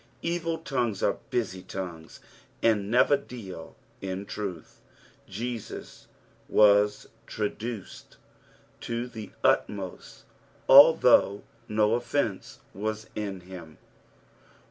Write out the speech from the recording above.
Evil tongues are busy tongues, and never deal in truth. Jeaus was traduced to the utmost, although no offence was in him.